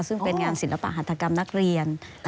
ซึ่งเป็นงานศิลปหัตถกรรมนักเรียน